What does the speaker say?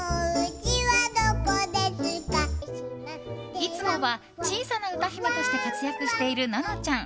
いつもは小さな歌姫として活躍している、ののちゃん。